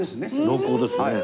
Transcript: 濃厚ですね。